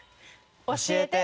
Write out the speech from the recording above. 『教えて！